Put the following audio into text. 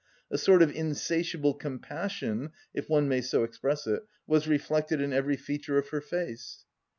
A sort of insatiable compassion, if one may so express it, was reflected in every feature of her face.